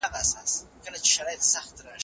موږ باید خپل پیغام په پښتو ولیکو.